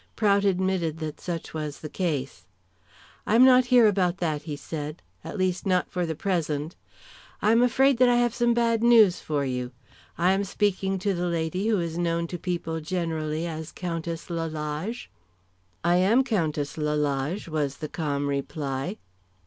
Prout admitted that such was the case. "I am not here about that," he said, "at least, not for the present. I am afraid I have some bad news for you. I am speaking to the lady who is known to people generally as Countess Lalage." "I am Countess Lalage," was the calm reply.